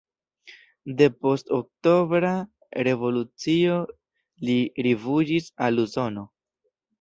Depost Oktobra Revolucio li rifuĝis al Usono.